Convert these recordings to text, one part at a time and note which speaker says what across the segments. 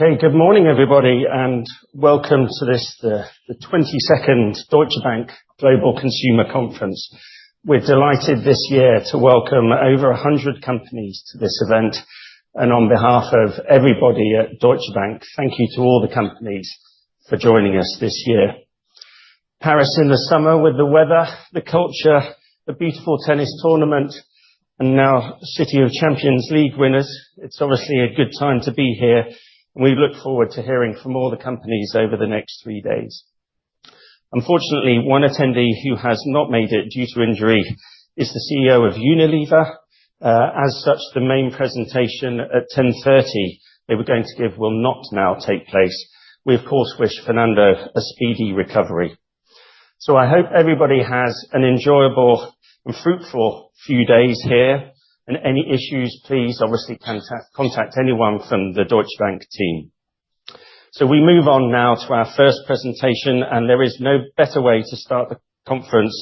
Speaker 1: Okay, good morning everybody, and welcome to this, the 22nd Deutsche Bank Global Consumer Conference. We're delighted this year to welcome over 100 companies to this event, and on behalf of everybody at Deutsche Bank, thank you to all the companies for joining us this year. Paris in the summer with the weather, the culture, the beautiful tennis tournament, and now a city of Champions League winners, it's obviously a good time to be here, and we look forward to hearing from all the companies over the next three days. Unfortunately, one attendee who has not made it due to injury is the CEO of Unilever. As such, the main presentation at 10:30 they were going to give will not now take place. We, of course, wish Fernando a speedy recovery. I hope everybody has an enjoyable and fruitful few days here, and any issues, please obviously contact anyone from the Deutsche Bank team. We move on now to our first presentation, and there is no better way to start the conference,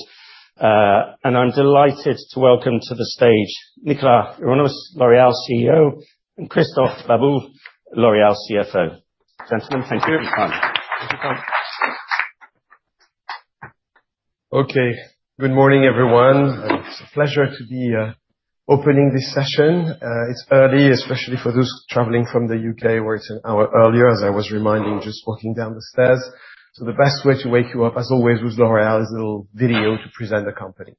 Speaker 1: and I'm delighted to welcome to the stage Nicolas Hieronimus, L'Oréal CEO, and Christophe Babule, L'Oréal CFO. Gentlemen, thank you every time.
Speaker 2: Okay, good morning everyone. It's a pleasure to be opening this session. It's early, especially for those traveling from the U.K., where it's an hour earlier, as I was reminding, just walking down the stairs. The best way to wake you up, as always, with L'Oréal is a little video to present the company.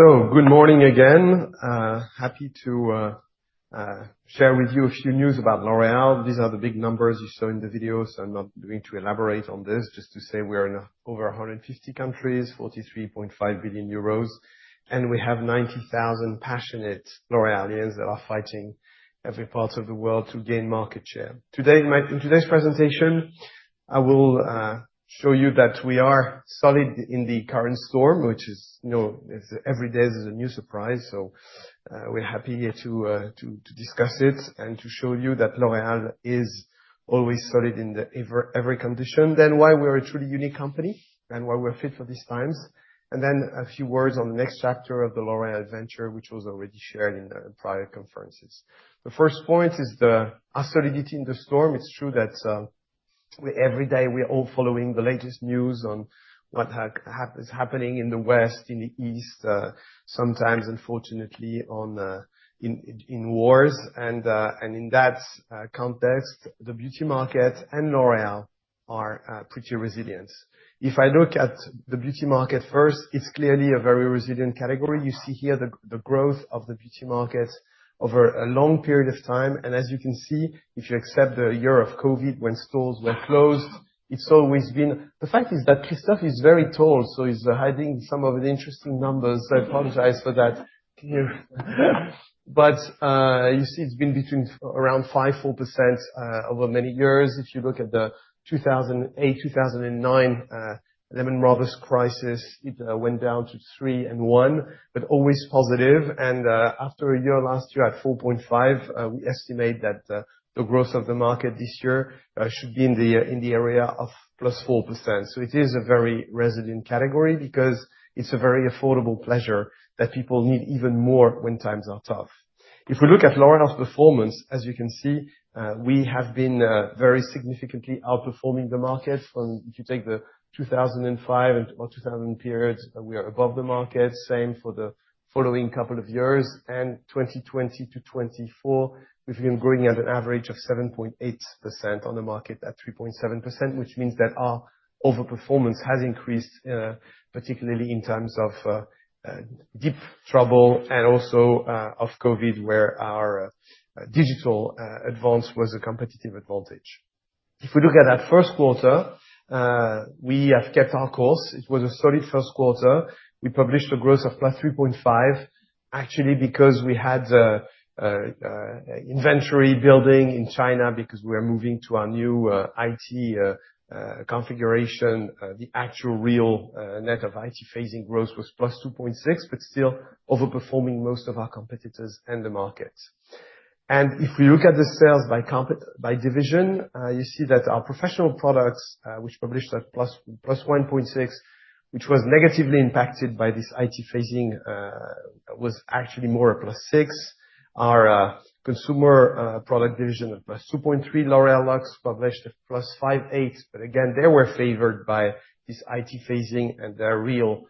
Speaker 2: Good morning again. Happy to share with you a few news about L'Oréal. These are the big numbers you saw in the video, so I'm not going to elaborate on this, just to say we are in over 150 countries, 43.5 billion euros, and we have 90,000 passionate L'Oréalians that are fighting every part of the world to gain market share. Today, in today's presentation, I will show you that we are solid in the current storm, which is, you know, every day is a new surprise, so we're happy to discuss it and to show you that L'Oréal is always solid in every condition. Why we are a truly unique company and why we're fit for these times, and then a few words on the next chapter of the L'Oréal venture, which was already shared in prior conferences. The first point is our solidity in the storm. It's true that every day we're all following the latest news on what is happening in the West, in the East, sometimes unfortunately in wars, and in that context, the beauty market and L'Oréal are pretty resilient. If I look at the beauty market first, it's clearly a very resilient category. You see here the growth of the beauty market over a long period of time, and as you can see, if you accept the year of COVID when stores were closed, it's always been. The fact is that Christophe is very tall, so he's hiding some of the interesting numbers, so I apologize for that. You see it's been between around 5%-4% over many years. If you look at the 2008-2009 Lehman Brothers crisis, it went down to 3-1, but always positive. After a year last year at 4.5%, we estimate that the growth of the market this year should be in the area of +4%. It is a very resilient category because it is a very affordable pleasure that people need even more when times are tough. If we look at L'Oréal's performance, as you can see, we have been very significantly outperforming the market. If you take the 2005 and 2000 periods, we are above the market, same for the following couple of years, and 2020 to 2024, we have been growing at an average of 7.8% on the market at 3.7%, which means that our overperformance has increased, particularly in times of deep trouble and also of COVID, where our digital advance was a competitive advantage. If we look at that first quarter, we have kept our course. It was a solid first quarter. We published a growth of +3.5, actually because we had inventory building in China because we were moving to our new IT configuration. The actual real net of IT phasing growth was +2.6, but still overperforming most of our competitors and the market. If we look at the sales by division, you see that our professional products, which published at +1.6, which was negatively impacted by this IT phasing, was actually more at +6. Our consumer product division at +2.3, L'Oréal Luxe, published at +5.8, but again, they were favored by this IT phasing, and their real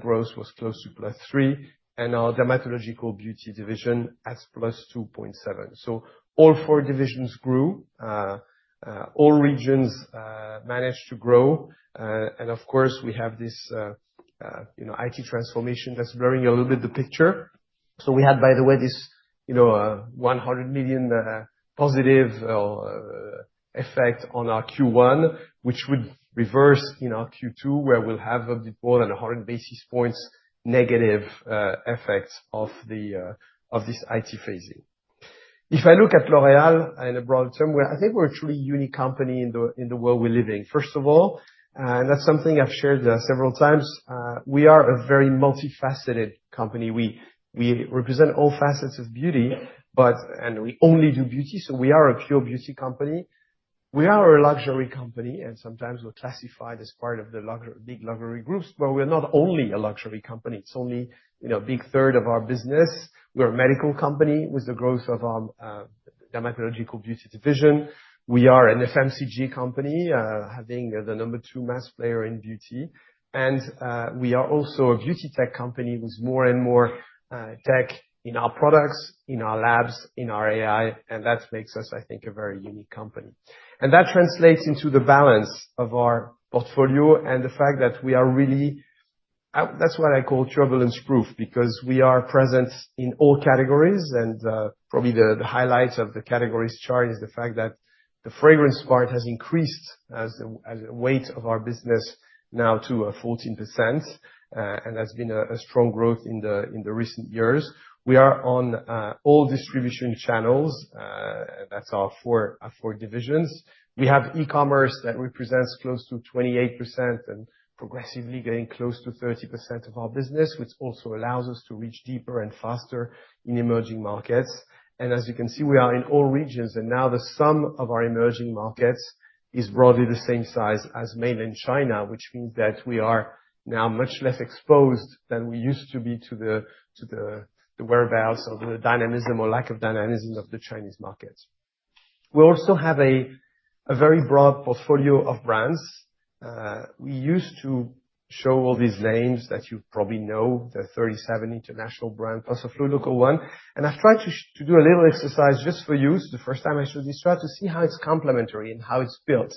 Speaker 2: growth was close to +3, and our dermatological beauty division at +2.7. All four divisions grew, all regions managed to grow, and of course we have this, you know, IT transformation that's blurring a little bit the picture. We had, by the way, this, you know, 100 million positive effect on our Q1, which would reverse in our Q2, where we'll have a bit more than 100 basis points negative effect of this IT phasing. If I look at L'Oréal in a broad term, I think we're a truly unique company in the world we're living. First of all, and that's something I've shared several times, we are a very multifaceted company. We represent all facets of beauty, but, and we only do beauty, so we are a pure beauty company. We are a luxury company, and sometimes we're classified as part of the big luxury groups, but we're not only a luxury company. It's only, you know, a big third of our business. We're a medical company with the growth of our dermatological beauty division. We are an FMCG company, having the number two mass player in beauty, and we are also a beauty tech company with more and more tech in our products, in our labs, in our AI, and that makes us, I think, a very unique company. That translates into the balance of our portfolio and the fact that we are really, that's what I call turbulence proof, because we are present in all categories, and probably the highlight of the categories chart is the fact that the fragrance part has increased as the weight of our business now to 14%, and that's been a strong growth in the recent years. We are on all distribution channels, and that's our four divisions. We have e-commerce that represents close to 28% and progressively getting close to 30% of our business, which also allows us to reach deeper and faster in emerging markets. As you can see, we are in all regions, and now the sum of our emerging markets is broadly the same size as mainland China, which means that we are now much less exposed than we used to be to the whereabouts or the dynamism or lack of dynamism of the Chinese markets. We also have a very broad portfolio of brands. We used to show all these names that you probably know, the 37 international brands plus a fluid local one, and I have tried to do a little exercise just for you, the first time I showed this chart, to see how it is complementary and how it is built.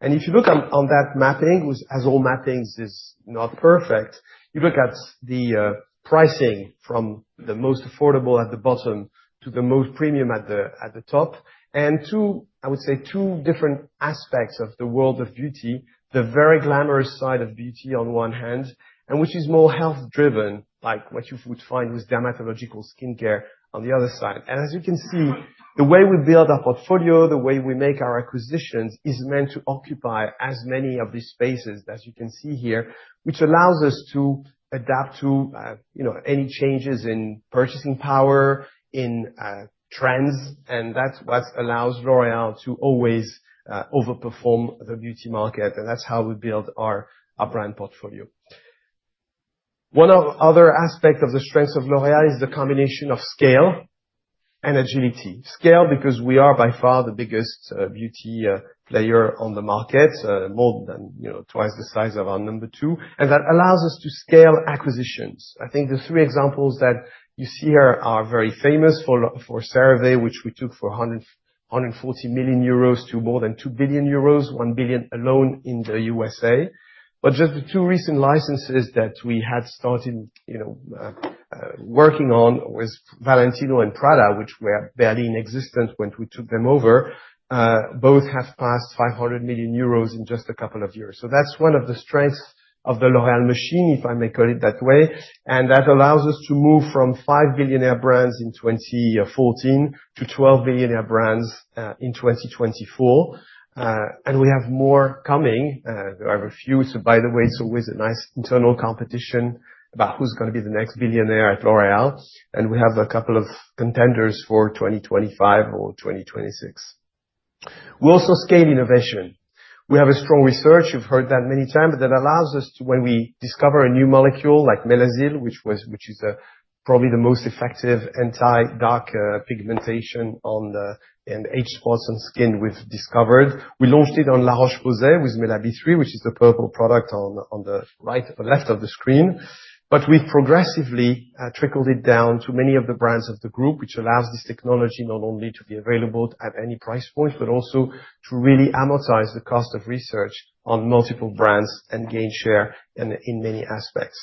Speaker 2: If you look on that mapping, as all mappings is not perfect, you look at the pricing from the most affordable at the bottom to the most premium at the top, and two, I would say, two different aspects of the world of beauty, the very glamorous side of beauty on one hand, and which is more health-driven, like what you would find with dermatological skincare on the other side. As you can see, the way we build our portfolio, the way we make our acquisitions is meant to occupy as many of these spaces as you can see here, which allows us to adapt to, you know, any changes in purchasing power, in trends, and that's what allows L'Oréal to always overperform the beauty market, and that's how we build our brand portfolio. One other aspect of the strength of L'Oréal is the combination of scale and agility. Scale because we are by far the biggest beauty player on the market, more than, you know, twice the size of our number two, and that allows us to scale acquisitions. I think the three examples that you see here are very famous for CeraVe, which we took for 140 million euros to more than 2 billion euros, 1 billion alone in the U.S.A. Just the two recent licenses that we had started, you know, working on with Valentino and Prada, which were barely in existence when we took them over, both have passed 500 million euros in just a couple of years. That's one of the strengths of the L'Oréal machine, if I may call it that way, and that allows us to move from five billionaire brands in 2014 to 12 billionaire brands in 2024, and we have more coming. There are a few, by the way, it's always a nice internal competition about who's going to be the next billionaire at L'Oréal, and we have a couple of contenders for 2025 or 2026. We also scale innovation. We have strong research, you've heard that many times, but that allows us to, when we discover a new molecule like Melasyl, which is probably the most effective anti-dark pigmentation on the age spots on skin we've discovered. We launched it on La Roche-Posay with Mela B3, which is the purple product on the right or left of the screen, but we've progressively trickled it down to many of the brands of the group, which allows this technology not only to be available at any price point, but also to really amortize the cost of research on multiple brands and gain share in many aspects.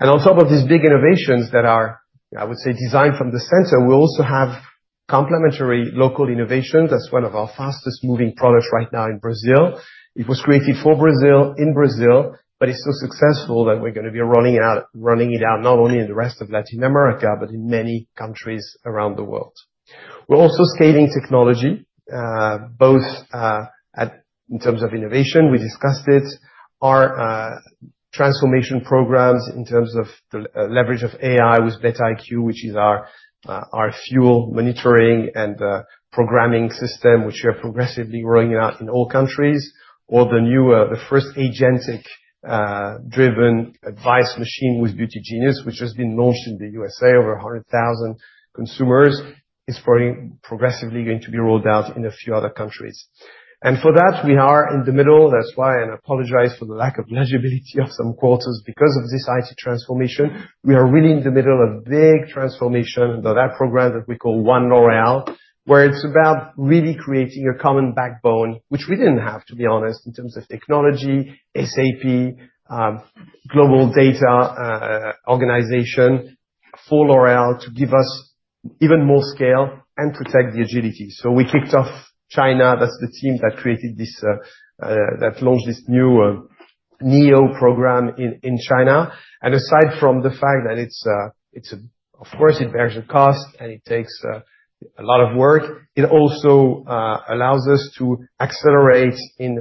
Speaker 2: On top of these big innovations that are, I would say, designed from the center, we also have complementary local innovations. That's one of our fastest moving products right now in Brazil. It was created for Brazil, in Brazil, but it's so successful that we're going to be running it out not only in the rest of Latin America, but in many countries around the world. We're also scaling technology, both in terms of innovation, we discussed it, our transformation programs in terms of the leverage of AI with BETiQ, which is our fuel monitoring and programming system, which we are progressively rolling out in all countries, or the new, the first agentic-driven advice machine with Beauty Genius, which has been launched in the U.S.A, over 100,000 consumers, is progressively going to be rolled out in a few other countries. For that, we are in the middle, that's why I apologize for the lack of legibility of some quarters because of this IT transformation. We are really in the middle of a big transformation under that program that we call One L'Oréal, where it's about really creating a common backbone, which we didn't have, to be honest, in terms of technology, SAP, global data organization for L'Oréal to give us even more scale and protect the agility. We kicked off China, that's the team that created this, that launched this new NEO program in China, and aside from the fact that it bears a cost and it takes a lot of work, it also allows us to accelerate in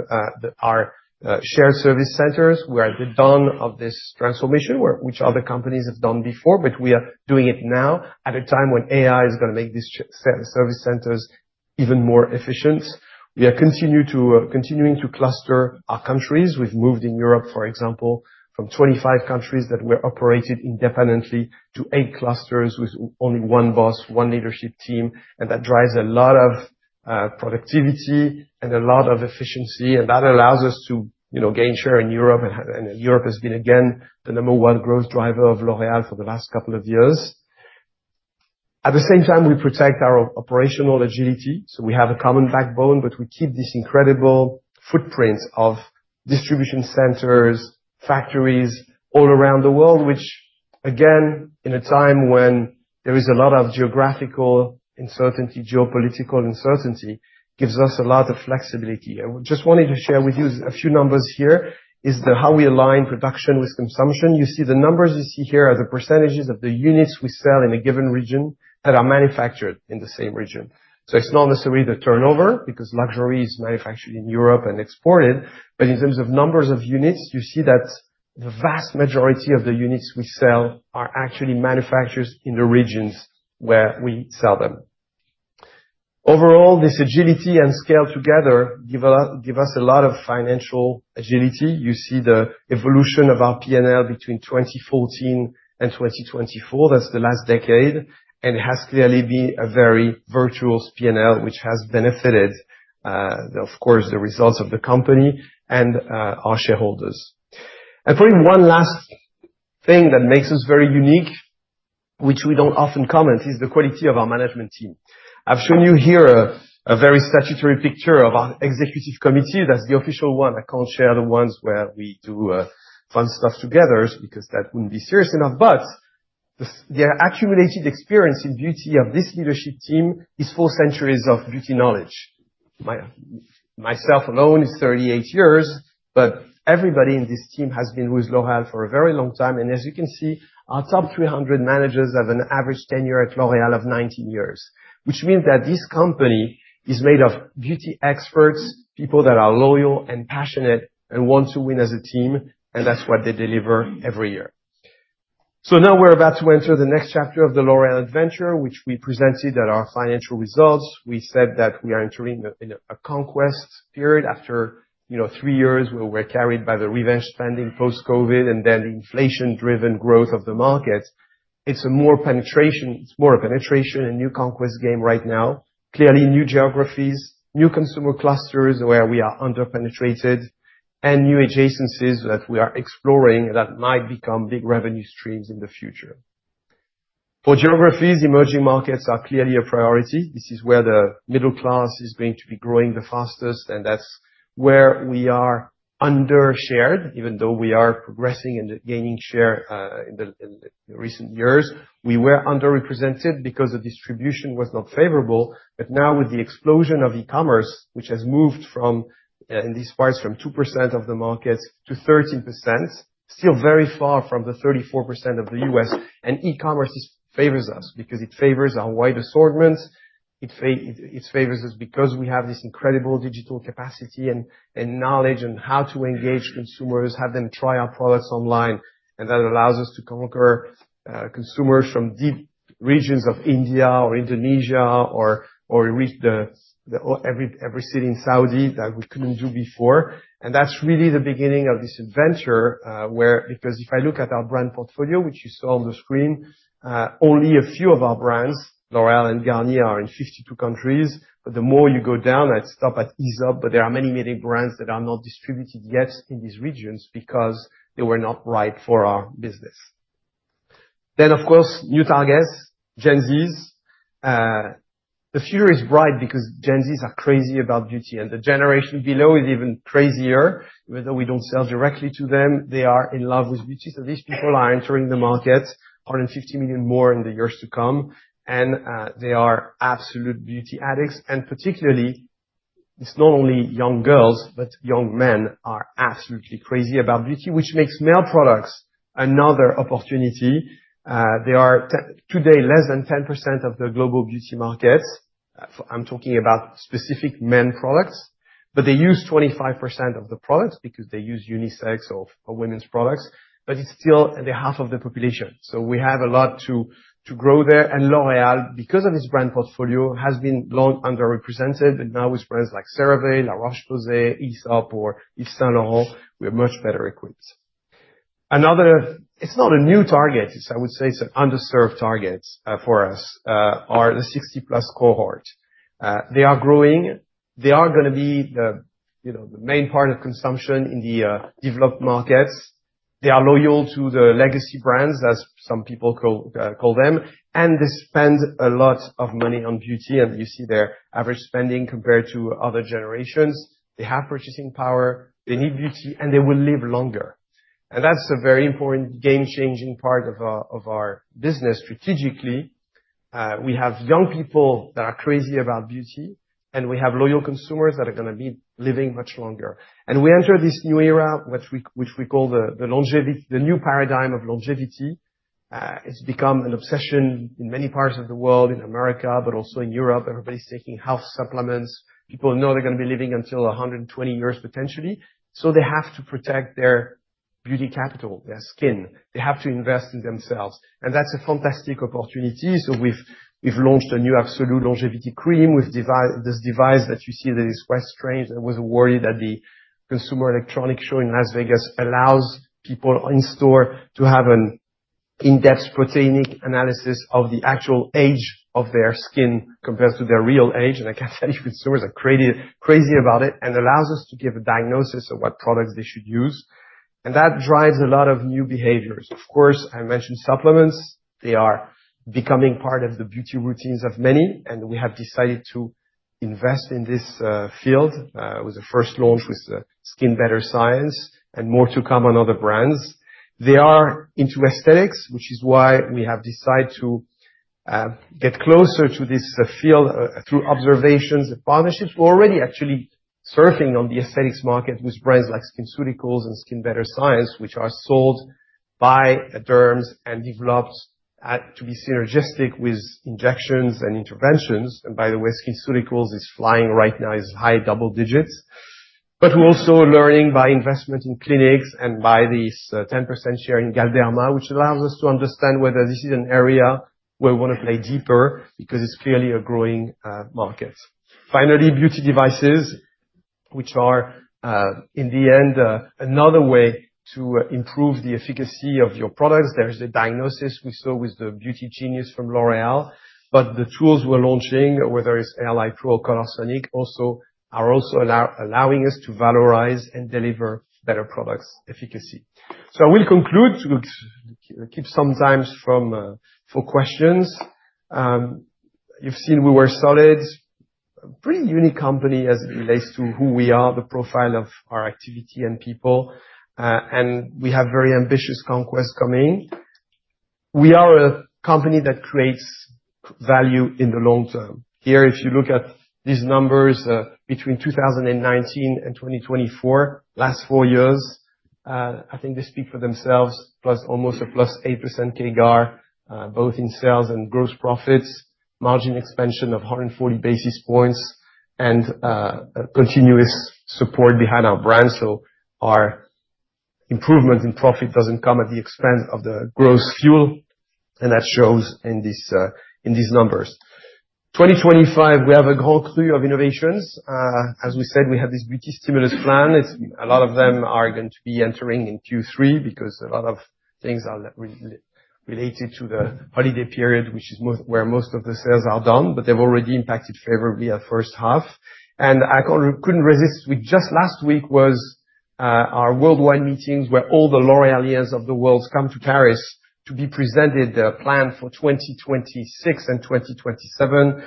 Speaker 2: our shared service centers. We're at the dawn of this transformation, which other companies have done before, but we are doing it now at a time when AI is going to make these service centers even more efficient. We are continuing to cluster our countries. We've moved in Europe, for example, from 25 countries that we operated independently to eight clusters with only one boss, one leadership team, and that drives a lot of productivity and a lot of efficiency, and that allows us to, you know, gain share in Europe, and Europe has been again the number one growth driver of L'Oréal for the last couple of years. At the same time, we protect our operational agility, so we have a common backbone, but we keep this incredible footprint of distribution centers, factories all around the world, which, again, in a time when there is a lot of geographical uncertainty, geopolitical uncertainty, gives us a lot of flexibility. I just wanted to share with you a few numbers here. Is the how we align production with consumption. You see the numbers you see here are the percentages of the units we sell in a given region that are manufactured in the same region. It is not necessarily the turnover because luxury is manufactured in Europe and exported, but in terms of numbers of units, you see that the vast majority of the units we sell are actually manufactured in the regions where we sell them. Overall, this agility and scale together give us a lot of financial agility. You see the evolution of our P&L between 2014 and 2024, that is the last decade, and it has clearly been a very virtuous P&L, which has benefited, of course, the results of the company and our shareholders. Probably one last thing that makes us very unique, which we do not often comment, is the quality of our management team. I've shown you here a very statutory picture of our executive committee. That's the official one. I can't share the ones where we do fun stuff together because that wouldn't be serious enough, but the accumulated experience in beauty of this leadership team is four centuries of beauty knowledge. Myself alone is 38 years, but everybody in this team has been with L'Oréal for a very long time, and as you can see, our top 300 managers have an average tenure at L'Oréal of 19 years, which means that this company is made of beauty experts, people that are loyal and passionate and want to win as a team, and that's what they deliver every year. Now we're about to enter the next chapter of the L'Oréal adventure, which we presented at our financial results. We said that we are entering a conquest period after, you know, three years where we're carried by the revenge spending post-COVID and then the inflation-driven growth of the market. It's more a penetration and new conquest game right now. Clearly, new geographies, new consumer clusters where we are under-penetrated, and new adjacencies that we are exploring that might become big revenue streams in the future. For geographies, emerging markets are clearly a priority. This is where the middle class is going to be growing the fastest, and that's where we are undershared, even though we are progressing and gaining share in the recent years. We were underrepresented because the distribution was not favorable, but now with the explosion of e-commerce, which has moved from, in these parts, from 2% of the markets to 13%, still very far from the 34% of the U.S., and e-commerce favors us because it favors our wide assortment. It favors us because we have this incredible digital capacity and knowledge on how to engage consumers, have them try our products online, and that allows us to conquer consumers from deep regions of India or Indonesia or reach every city in Saudi that we couldn't do before. That is really the beginning of this adventure where, because if I look at our brand portfolio, which you saw on the screen, only a few of our brands, L'Oréal and Garnier, are in 52 countries, but the more you go down, I would stop at EaseUp, but there are many, many brands that are not distributed yet in these regions because they were not right for our business. Of course, new targets, Gen Zs. The future is bright because Gen Zs are crazy about beauty, and the generation below is even crazier, even though we do not sell directly to them. They are in love with beauty, so these people are entering the market, 150 million more in the years to come, and they are absolute beauty addicts, and particularly, it is not only young girls, but young men are absolutely crazy about beauty, which makes male products another opportunity. They are today less than 10% of the global beauty markets. I'm talking about specific men products, but they use 25% of the products because they use unisex or women's products, but it's still on the half of the population. We have a lot to grow there, and L'Oréal, because of its brand portfolio, has been long underrepresented, but now with brands like CeraVe, La Roche-Posay, EaseUp, or Yves Saint Laurent, we are much better equipped. Another, it's not a new target, I would say, it's an underserved target for us, are the 60+ cohort. They are growing, they are going to be the, you know, the main part of consumption in the developed markets. They are loyal to the legacy brands, as some people call them, and they spend a lot of money on beauty, and you see their average spending compared to other generations. They have purchasing power, they need beauty, and they will live longer, and that's a very important game-changing part of our business strategically. We have young people that are crazy about beauty, and we have loyal consumers that are going to be living much longer, and we enter this new era, which we call the new paradigm of longevity. It's become an obsession in many parts of the world, in America, but also in Europe. Everybody's taking health supplements. People know they're going to be living until 120 years, potentially, so they have to protect their beauty capital, their skin. They have to invest in themselves, and that's a fantastic opportunity. We have launched a new Absolue Longevity Cream with this device that you see that is quite strange. I was worried that the Consumer Electronics Show in Las Vegas allows people in store to have an in-depth protein analysis of the actual age of their skin compared to their real age, and I can tell you consumers are crazy about it, and allows us to give a diagnosis of what products they should use, and that drives a lot of new behaviors. Of course, I mentioned supplements. They are becoming part of the beauty routines of many, and we have decided to invest in this field with the first launch with Skin Better Science and more to come on other brands. They are into aesthetics, which is why we have decided to get closer to this field through observations and partnerships. We're already actually surfing on the aesthetics market with brands like SkinCeuticals and Skin Better Science, which are sold by derms and developed to be synergistic with injections and interventions, and by the way, SkinCeuticals is flying right now, is high double digits, but we're also learning by investment in clinics and by this 10% share in Galderma, which allows us to understand whether this is an area where we want to play deeper because it's clearly a growing market. Finally, beauty devices, which are in the end another way to improve the efficacy of your products. There's the diagnosis we saw with the Beauty Genius from L'Oréal, but the tools we're launching, whether it's AI Pro or ColourSonic, also are also allowing us to valorize and deliver better product efficacy. I will conclude, keep some time for questions. You've seen we were solid, a pretty unique company as it relates to who we are, the profile of our activity and people, and we have very ambitious conquests coming. We are a company that creates value in the long term. Here, if you look at these numbers between 2019 and 2024, last four years, I think they speak for themselves, plus almost a +8% CAGR, both in sales and gross profits, margin expansion of 140 basis points, and continuous support behind our brand. Our improvement in profit doesn't come at the expense of the gross fuel, and that shows in these numbers. 2025, we have a grand cru of innovations. As we said, we have this Beauty Stimulus Plan. A lot of them are going to be entering in Q3 because a lot of things are related to the holiday period, which is where most of the sales are done, but they've already impacted favorably at first half. I couldn't resist with just last week was our worldwide meetings where all the L'Oréaliens of the world come to Paris to be presented their plan for 2026 and 2027.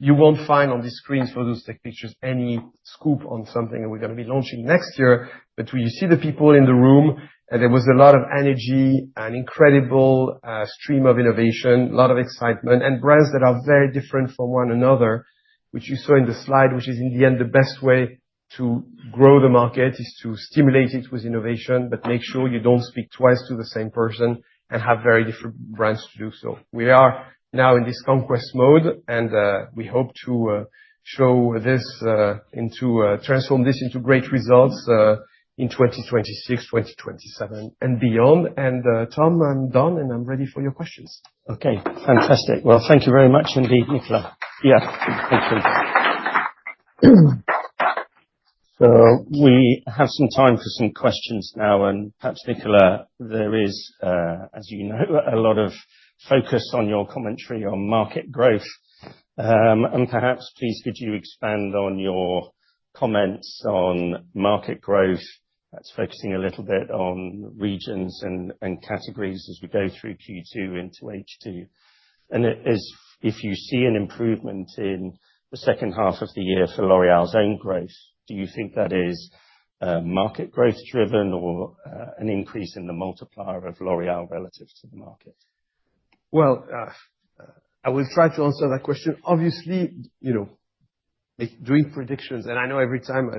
Speaker 2: You will not find on the screens for those tech pictures any scoop on something we are going to be launching next year, but you see the people in the room, and there was a lot of energy, an incredible stream of innovation, a lot of excitement, and brands that are very different from one another, which you saw in the slide, which is in the end the best way to grow the market is to stimulate it with innovation, but make sure you do not speak twice to the same person and have very different brands to do so. We are now in this conquest mode, and we hope to show this and to transform this into great results in 2026, 2027, and beyond. Tom, I am done, and I am ready for your questions.
Speaker 1: Okay, fantastic. Thank you very much indeed, Nicolas.
Speaker 2: Yeah, thank you.
Speaker 1: We have some time for some questions now, and perhaps Nicolas, there is, as you know, a lot of focus on your commentary on market growth, and perhaps please could you expand on your comments on market growth that's focusing a little bit on regions and categories as we go through Q2 into H2. If you see an improvement in the second half of the year for L'Oréal's own growth, do you think that is market growth driven or an increase in the multiplier of L'Oréal relative to the market?
Speaker 2: I will try to answer that question. Obviously, you know, doing predictions, and I know every time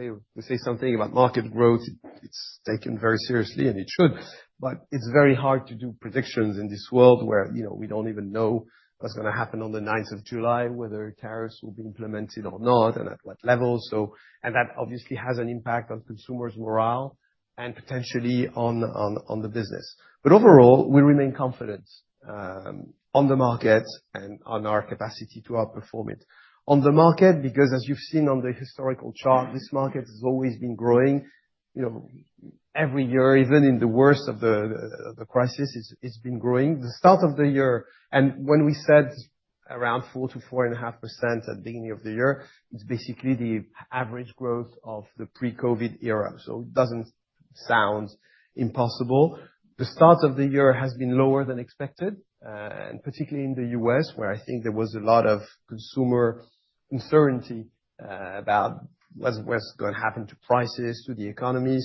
Speaker 2: we say something about market growth, it's taken very seriously, and it should, but it's very hard to do predictions in this world where, you know, we don't even know what's going to happen on the 9th of July, whether tariffs will be implemented or not, and at what level. That obviously has an impact on consumers' morale and potentially on the business. Overall, we remain confident on the market and on our capacity to outperform it. On the market, because as you've seen on the historical chart, this market has always been growing, you know, every year, even in the worst of the crisis, it's been growing. The start of the year, and when we said around 4%-4.5% at the beginning of the year, it's basically the average growth of the pre-COVID era, so it doesn't sound impossible. The start of the year has been lower than expected, and particularly in the U.S., where I think there was a lot of consumer uncertainty about what's going to happen to prices, to the economy.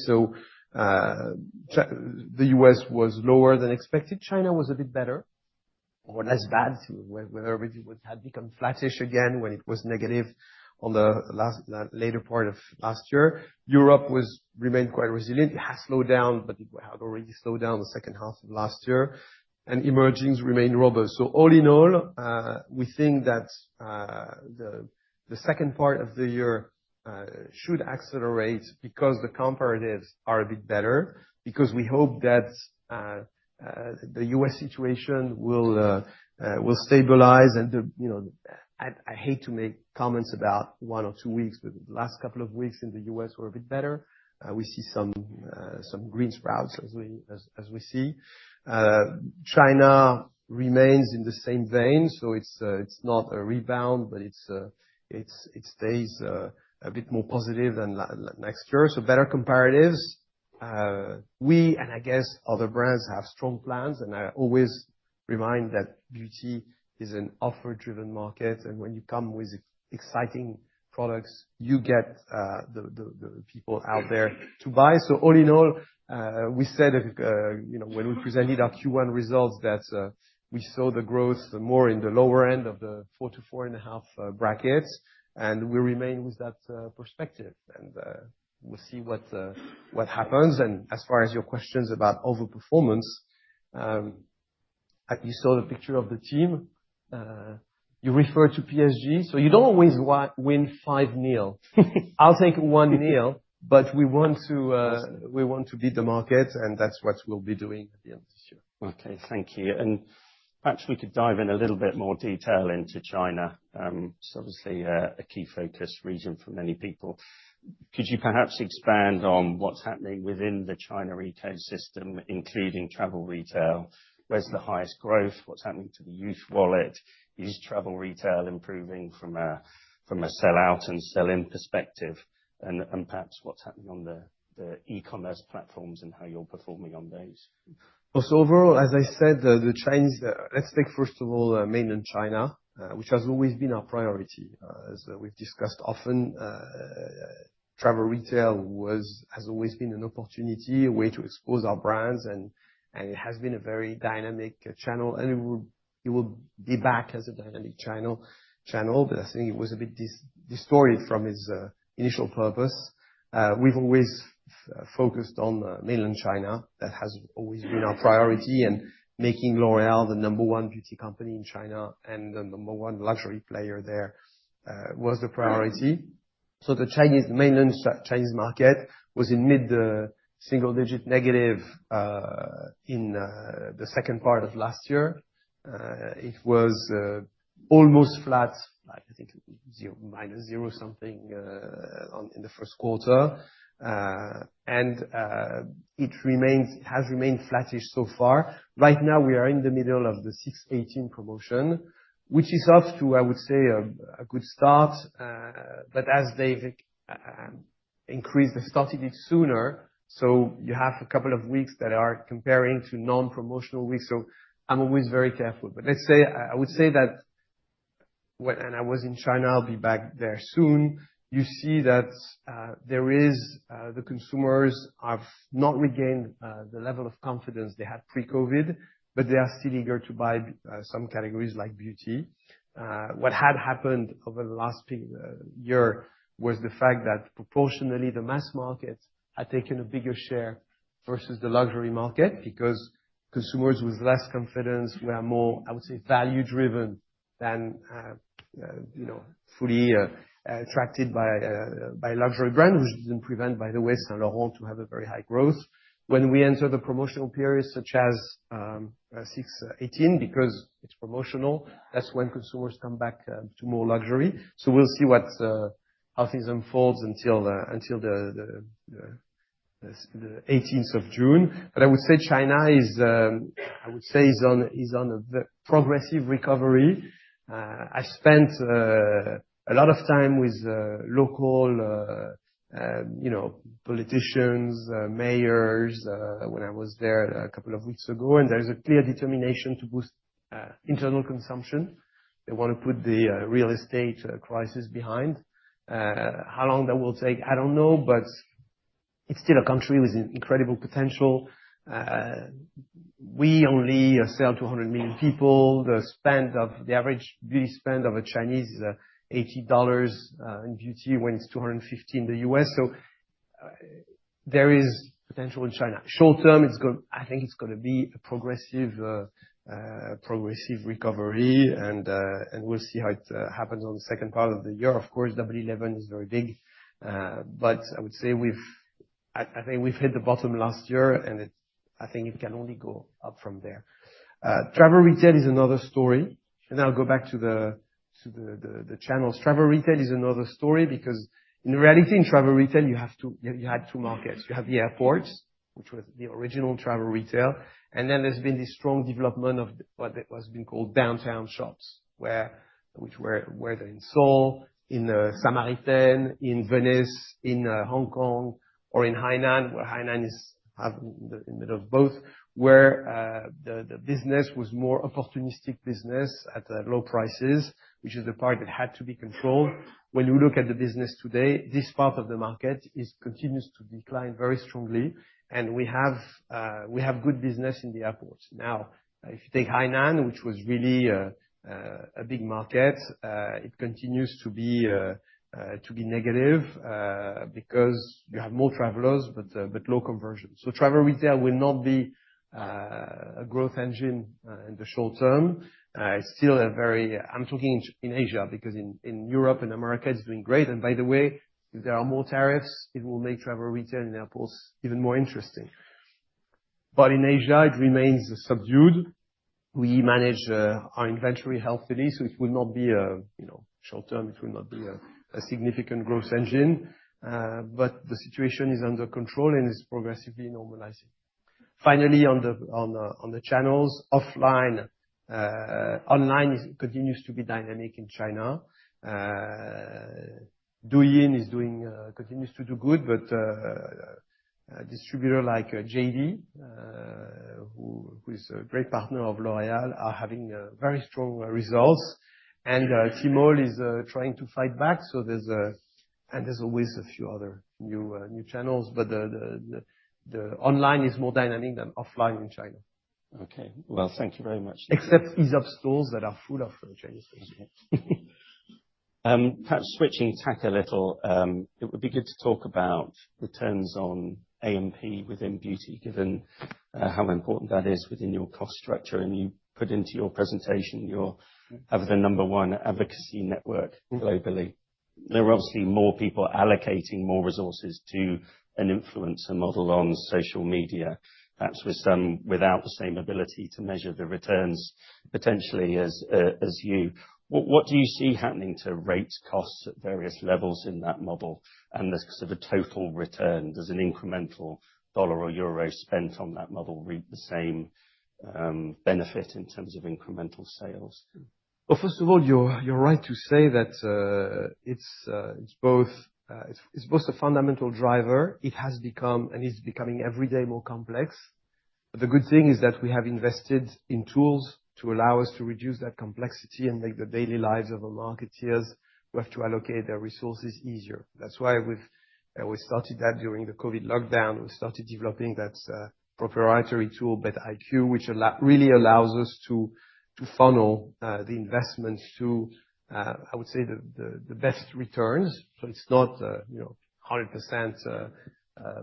Speaker 2: The U.S. was lower than expected. China was a bit better or less bad, where everything had become flattish again when it was negative on the later part of last year. Europe remained quite resilient. It has slowed down, but it had already slowed down the second half of last year, and emergings remain robust. All in all, we think that the second part of the year should accelerate because the comparatives are a bit better, because we hope that the U.S. situation will stabilize. You know, I hate to make comments about one or two weeks, but the last couple of weeks in the U.S. were a bit better. We see some green sprouts, as we see. China remains in the same vein, so it is not a rebound, but it stays a bit more positive than next year. So better comparatives. We, and I guess other brands, have strong plans, and I always remind that beauty is an offer-driven market, and when you come with exciting products, you get the people out there to buy. All in all, we said, you know, when we presented our Q1 results, that we saw the growth more in the lower end of the 4.5 brackets, and we remain with that perspective, and we'll see what happens. As far as your questions about overperformance, you saw the picture of the team. You referred to PSG, so you don't always win five-nil. I'll take one-nil, but we want to beat the market, and that's what we'll be doing at the end of this year.
Speaker 1: Okay, thank you. Perhaps we could dive in a little bit more detail into China, which is obviously a key focus region for many people. Could you perhaps expand on what's happening within the China ecosystem, including travel retail? Where's the highest growth? What's happening to the youth wallet? Is travel retail improving from a sell-out and sell-in perspective? Perhaps what's happening on the e-commerce platforms and how you're performing on those?
Speaker 2: Overall, as I said, the Chinese, let's take first of all mainland China, which has always been our priority. As we've discussed often, travel retail has always been an opportunity, a way to expose our brands, and it has been a very dynamic channel, and it will be back as a dynamic channel. I think it was a bit distorted from its initial purpose. We've always focused on mainland China. That has always been our priority, and making L'Oréal the number one beauty company in China and the number one luxury player there was the priority. The mainland Chinese market was in mid-single digit negative in the second part of last year. It was almost flat, I think zero minus zero something in the first quarter, and it has remained flattish so far. Right now, we are in the middle of the 618 promotion, which is up to, I would say, a good start, but as they've increased the start a bit sooner, you have a couple of weeks that are comparing to non-promotional weeks, so I'm always very careful. I would say that when I was in China, I'll be back there soon, you see that there is the consumers have not regained the level of confidence they had pre-COVID, but they are still eager to buy some categories like beauty. What had happened over the last year was the fact that proportionally, the mass market had taken a bigger share versus the luxury market because consumers with less confidence were more, I would say, value-driven than, you know, fully attracted by a luxury brand, which did not prevent, by the way, Yves Saint Laurent to have a very high growth. When we enter the promotional period, such as 6/18, because it is promotional, that is when consumers come back to more luxury. We will see how things unfold until the 18th of June. I would say China is, I would say, on a progressive recovery. I spent a lot of time with local, you know, politicians, mayors, when I was there a couple of weeks ago, and there is a clear determination to boost internal consumption. They want to put the real estate crisis behind. How long that will take, I don't know, but it's still a country with incredible potential. We only sell 200 million people. The average beauty spend of a Chinese is $80 in beauty when it's $250 in the U.S.. There is potential in China. Short term, I think it's going to be a progressive recovery, and we'll see how it happens on the second part of the year. Of course, W-11 is very big, but I would say we've, I think we've hit the bottom last year, and I think it can only go up from there. Travel retail is another story, and I'll go back to the channels. Travel retail is another story because in reality, in travel retail, you had two markets. You have the airports, which was the original travel retail, and then there's been this strong development of what has been called downtown shops, which were in Seoul, in Samaritain, in Venice, in Hong Kong, or in Hainan, where Hainan is in the middle of both, where the business was more opportunistic business at low prices, which is the part that had to be controlled. When you look at the business today, this part of the market continues to decline very strongly, and we have good business in the airports. Now, if you take Hainan, which was really a big market, it continues to be negative because you have more travelers, but low conversion. Travel retail will not be a growth engine in the short term. It's still a very, I'm talking in Asia because in Europe and America, it's doing great. By the way, if there are more tariffs, it will make travel retail in airports even more interesting. In Asia, it remains subdued. We manage our inventory healthily, so it will not be, you know, short term, it will not be a significant growth engine, but the situation is under control and is progressively normalizing. Finally, on the channels, offline, online continues to be dynamic in China. Douyin is continuing to do good, but distributors like JD, who is a great partner of L'Oréal, are having very strong results, and Tmall is trying to fight back, so there are always a few other new channels, but the online is more dynamic than offline in China.
Speaker 1: Thank you very much.
Speaker 2: Except these upstores that are full of Chinese consumers.
Speaker 1: Perhaps switching tack a little, it would be good to talk about returns on A&P within beauty, given how important that is within your cost structure. You put into your presentation, you're the number one advocacy network globally. There are obviously more people allocating more resources to an influencer model on social media, perhaps with some without the same ability to measure the returns potentially as you. What do you see happening to rate costs at various levels in that model? There is sort of a total return. Does an incremental dollar or euro spent on that model reap the same benefit in terms of incremental sales?
Speaker 2: First of all, you're right to say that it's both a fundamental driver. It has become, and it's becoming every day more complex. The good thing is that we have invested in tools to allow us to reduce that complexity and make the daily lives of our marketeers who have to allocate their resources easier. That is why we started that during the COVID lockdown. We started developing that proprietary tool, BETiQ, which really allows us to funnel the investments to, I would say, the best returns. It is not 100%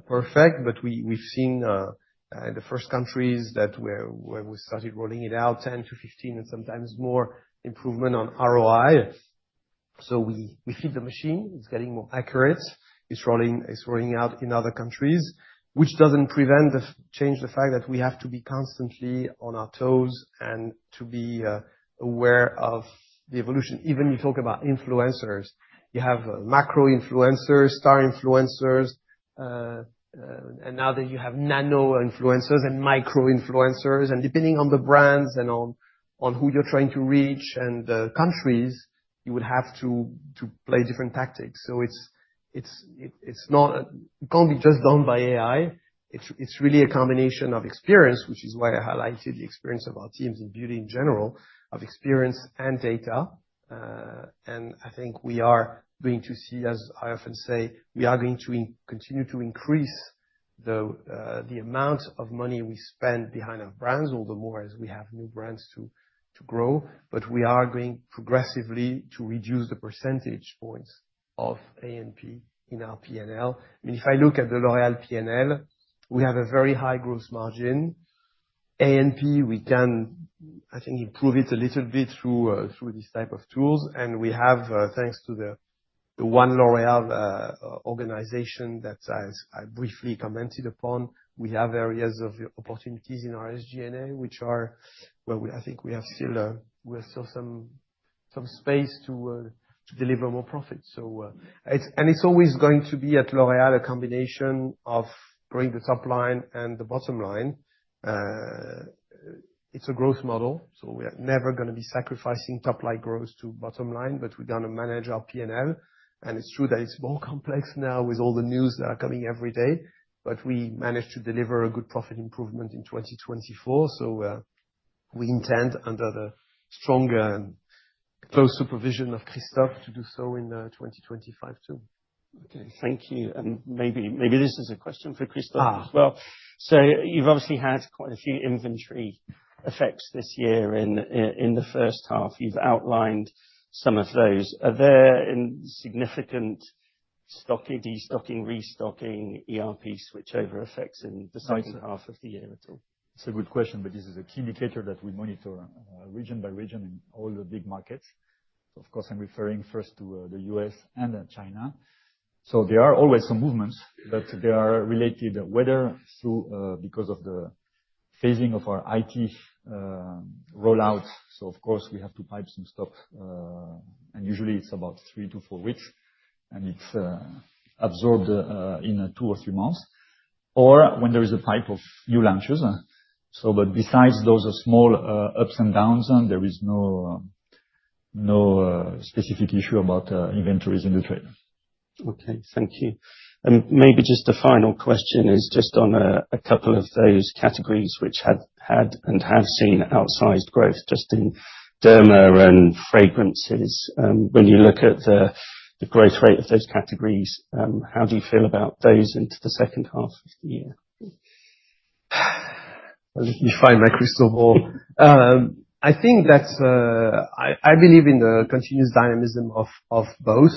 Speaker 2: perfect, but we have seen in the first countries where we started rolling it out, 10%-15% and sometimes more improvement on ROI. We feed the machine. It is getting more accurate. It is rolling out in other countries, which does not prevent the change, the fact that we have to be constantly on our toes and to be aware of the evolution. Even you talk about influencers. You have macro influencers, star influencers, and now you have nano influencers and micro influencers. Depending on the brands and on who you're trying to reach and countries, you would have to play different tactics. It can't be just done by AI. It's really a combination of experience, which is why I highlighted the experience of our teams in beauty in general, of experience and data. I think we are going to see, as I often say, we are going to continue to increase the amount of money we spend behind our brands, all the more as we have new brands to grow. We are going progressively to reduce the percentage points of A&P in our P&L. I mean, if I look at the L'Oréal P&L, we have a very high gross margin. A&P, we can, I think, improve it a little bit through these types of tools. We have, thanks to the One L'Oréal organization that I briefly commented upon, areas of opportunities in our SG&A, which are where I think we have still some space to deliver more profits. It is always going to be at L'Oréal a combination of growing the top line and the bottom line. It is a growth model, so we are never going to be sacrificing top line growth to bottom line, but we are going to manage our P&L. It is true that it is more complex now with all the news that are coming every day, but we managed to deliver a good profit improvement in 2024. We intend under the stronger and close supervision of Christophe to do so in 2025 too.
Speaker 1: Thank you. Maybe this is a question for Christophe as well. You've obviously had quite a few inventory effects this year in the first half. You've outlined some of those. Are there significant stocking, destocking, restocking, ERP switchover effects in the second half of the year at all?
Speaker 3: It's a good question, but this is a key indicator that we monitor region by region in all the big markets. Of course, I'm referring first to the U.S. and China. There are always some movements, but they are related whether because of the phasing of our IT rollout. We have to pipe some stock, and usually it's about three to four weeks, and it's absorbed in two or three months, or when there is a pipe of new launches. Besides those small ups and downs, there is no specific issue about inventories in the trade.
Speaker 1: Okay, thank you. Maybe just a final question is just on a couple of those categories which had and have seen outsized growth just in derma and fragrances. When you look at the growth rate of those categories, how do you feel about those into the second half of the year?
Speaker 2: You find my crystal ball. I think that I believe in the continuous dynamism of both.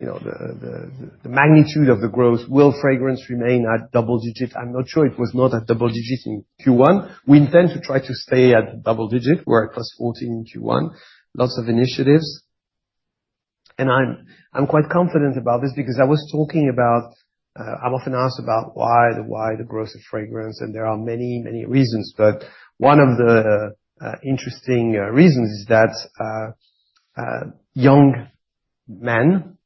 Speaker 2: The magnitude of the growth, will fragrance remain at double digit? I'm not sure it was not at double digit in Q1. We intend to try to stay at double digit where it was 14 in Q1. Lots of initiatives. I'm quite confident about this because I was talking about, I'm often asked about why the growth of fragrance, and there are many, many reasons. One of the interesting reasons is that young men,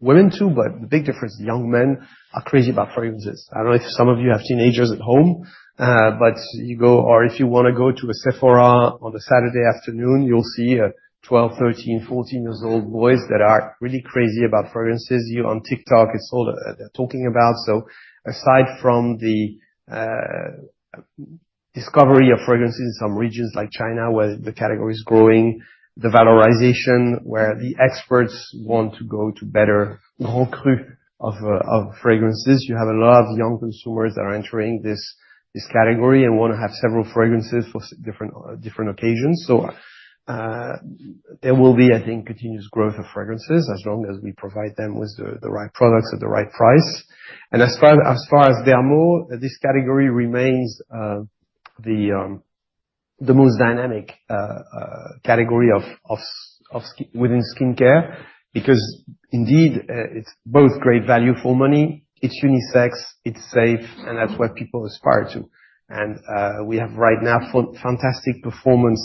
Speaker 2: women too, but the big difference, young men are crazy about fragrances. I do not know if some of you have teenagers at home, but you go, or if you want to go to a Sephora on a Saturday afternoon, you will see 12, 13, 14-year-old boys that are really crazy about fragrances. You on TikTok, it is all they are talking about. Aside from the discovery of fragrances in some regions like China where the category is growing, the valorization where the experts want to go to better grand cru of fragrances, you have a lot of young consumers that are entering this category and want to have several fragrances for different occasions. There will be, I think, continuous growth of fragrances as long as we provide them with the right products at the right price. As far as derma, this category remains the most dynamic category within skincare because indeed it's both great value for money, it's unisex, it's safe, and that's what people aspire to. We have right now fantastic performance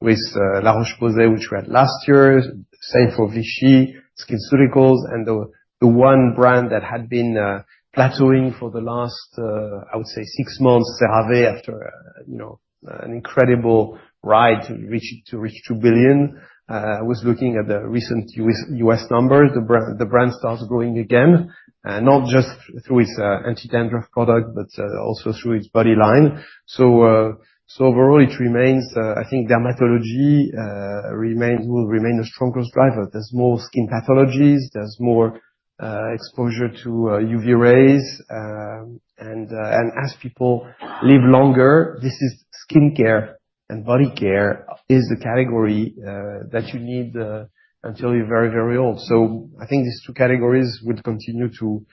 Speaker 2: with La Roche-Posay, which we had last year, same for Vichy, SkinCeuticals, and the one brand that had been plateauing for the last, I would say, six months, CeraVe after an incredible ride to reach 2 billion. I was looking at the recent U.S. numbers. The brand starts growing again, not just through its anti-dandruff product, but also through its body line. Overall, it remains, I think dermatology will remain the strongest driver. There's more skin pathologies, there's more exposure to UV rays, and as people live longer, this is skincare and body care is the category that you need until you're very, very old. I think these two categories will continue to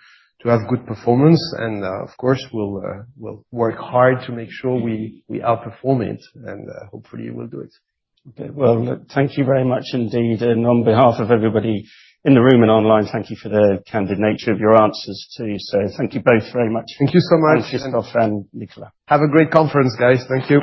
Speaker 2: have good performance and, of course, we'll work hard to make sure we outperform it and hopefully we'll do it.
Speaker 1: Thank you very much indeed. On behalf of everybody in the room and online, thank you for the candid nature of your answers too. Thank you both very much.
Speaker 2: Thank you so much.
Speaker 1: Thank you, Christophe and Nicolas.
Speaker 2: Have a great conference, guys. Thank you.